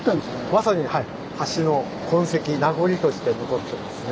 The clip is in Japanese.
まさに橋の痕跡名残として残ってますね。